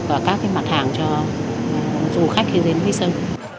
và các cái mặt hàng cho du khách đến lý sơn